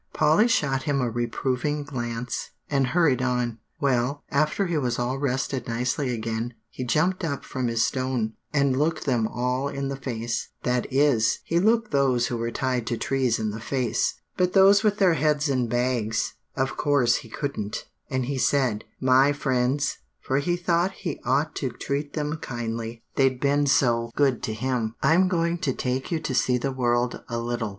Polly shot him a reproving glance, and hurried on. "Well, after he was all rested nicely again, he jumped up from his stone, and looked them all in the face, that is, he looked those who were tied to trees in the face, but those with their heads in bags, of course he couldn't, and he said, 'My friends,' for he thought he ought to treat them kindly, they'd been so good to him, 'I'm going to take you to see the world a little.